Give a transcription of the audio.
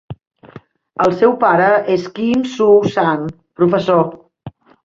El seu pare és Kim Soo-Sun, professor.